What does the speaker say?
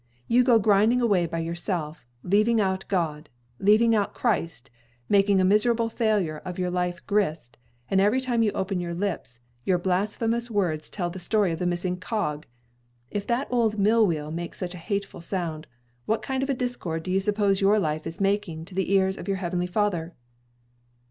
You go grinding away by yourself, leaving out God, leaving out Christ, making a miserable failure of your life grist, and every time you open your lips, your blasphemous words tell the story of the missing cog. If that old mill wheel makes such a hateful sound, what kind of a discord do you suppose your life is making in the ears of your Heavenly Father?"